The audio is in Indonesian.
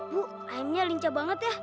bu ainnya lincah banget ya